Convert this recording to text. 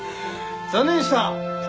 残念でした！